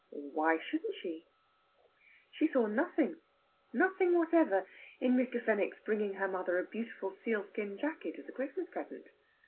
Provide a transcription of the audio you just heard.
Why shouldn't she? She saw nothing nothing whatever in Mr. Fenwick's bringing her mother a beautiful sealskin jacket as a Christmas present.